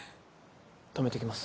止めてきます。